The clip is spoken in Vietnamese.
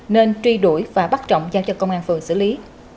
nên truy đuổi và bắt trọng giao cho công an phường xử lý